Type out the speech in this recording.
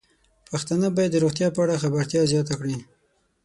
پښتانه بايد د روغتیا په اړه خبرتیا زياته کړي.